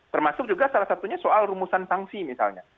termasuk juga salah satunya soal rumusan sanksi misalnya